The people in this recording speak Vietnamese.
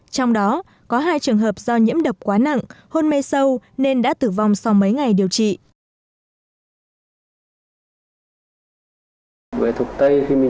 trong đó có hai trường hợp do nhiễm độc quá nặng hôn mê sâu nên đã tử vong sau mấy ngày điều trị